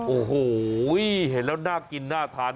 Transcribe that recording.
โอ้โหเห็นแล้วน่ากินน่าทาน